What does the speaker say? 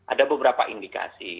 ada beberapa indikasi